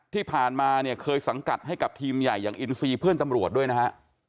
ที่ผ่านมาเนี่ยเคยสังกัดให้กับทีมใหญ่อย่างอินซีเพื่อนตำรวจด้วยนะฮะ